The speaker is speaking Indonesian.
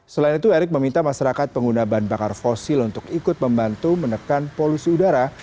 selain itu erick meminta masyarakat pengguna bahan bakar fosil untuk ikut membantu menekan polusi udara